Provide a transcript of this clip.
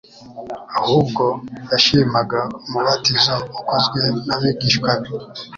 ahubwo yashimaga umubatizo ukozwe n'abigishwa be.